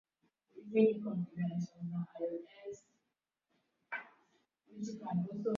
Macho kuwa na ukungu mweupe hasa kwenye konea hali inayozuia mwanga kuingia machoni